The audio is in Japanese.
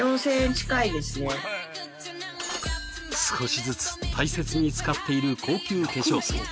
少しずつ大切に使っている高級化粧水。